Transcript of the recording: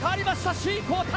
首位交代。